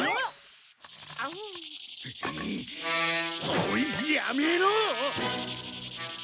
おいやめろ！